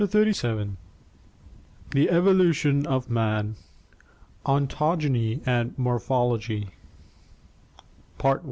CHAPTER XXXVII The Evolution of Man: Ontogeny and Morphology Part I.